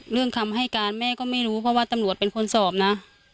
คำให้การแม่ก็ไม่รู้เพราะว่าตำรวจเป็นคนสอบนะ